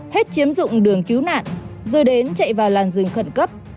hết chiếm dụng đường cứu nạn rồi đến chạy vào làn rừng khẩn cấp